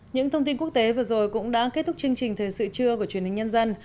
những thông tin quốc tế vừa rồi cũng đã kết thúc chương trình thời sự trưa của truyền hình nhân dân